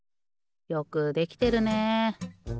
よくできてるね。